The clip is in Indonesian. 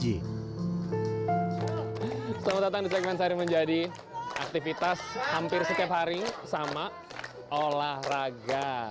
selamat datang di segmen sehari menjadi aktivitas hampir setiap hari sama olahraga